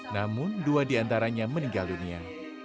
namun dua diantaranya meninggal dunia